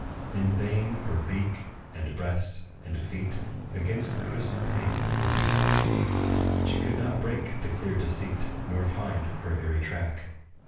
In vain her beak, and breast, and feet Against the crystal pane were beat: She could not break the clear deceit, Nor find her airy track.